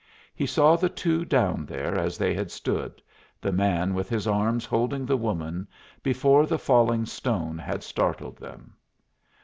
He saw the two down there as they had stood, the man with his arms holding the woman, before the falling stone had startled them.